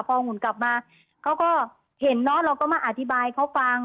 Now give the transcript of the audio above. พอหมุนกลับมาเขาก็เห็นเนอะเราก็มาอธิบายเขาฟัง